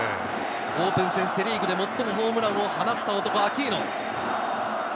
オープン戦、セ・リーグで最もホームランを放った男・アキーノ。